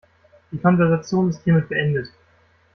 Die Konversation ist hiermit beendet.